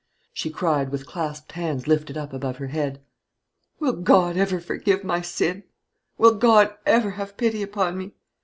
she cried, with clasped hands lifted up above her head. "Will God ever forgive my sin? will God ever have pity upon me?